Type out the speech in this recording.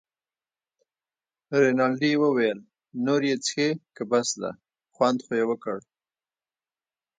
رینالډي وویل: نور یې څښې که بس ده، خوند خو یې وکړ.